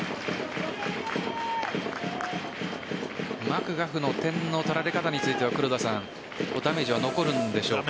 マクガフの点の取られ方についてはダメージは残るんでしょうか？